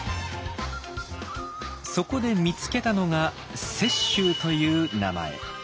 そこで見つけたのが「雪舟」という名前。